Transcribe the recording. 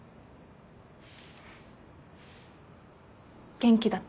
元気だった？